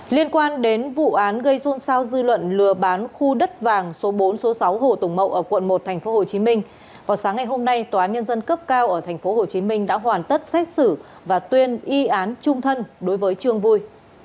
liên quan đến vụ án gây xôn xao dư luận lừa bán khu đất vàng số bốn số sáu hồ tùng mậu ở quận một tp hcm vào sáng ngày hôm nay tòa án nhân dân cấp cao ở tp hcm đã hoàn tất xét xử và tuyên y án trung thân đối với trương vui